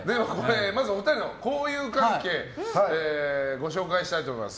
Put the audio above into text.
まずお二人の交友関係をご紹介したいと思います。